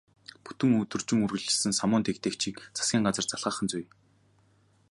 Бүтэн өдөржин үргэлжилсэн самуун дэгдээгчдийг засгийн газар залхаах нь зүй.